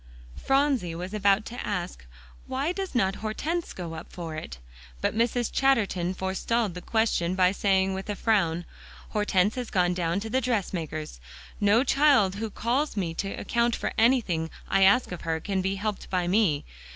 Phronsie was about to ask, "Why does not Hortense go up for it?" but Mrs. Chatterton forestalled the question by saying with a frown, "Hortense has gone down to the dressmaker's. No child who calls me to account for anything I ask of her can be helped by me.